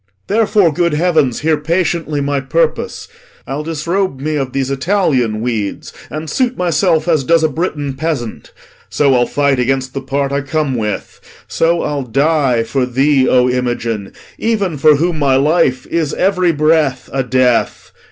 Therefore, good heavens, Hear patiently my purpose. I'll disrobe me Of these Italian weeds, and suit myself As does a Britain peasant. So I'll fight Against the part I come with; so I'll die For thee, O Imogen, even for whom my life Is every breath a death.